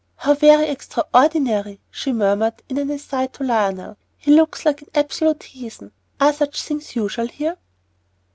"How very extraordinary!" she murmured in an aside to Lionel. "He looks like an absolute heathen. Are such things usual here?"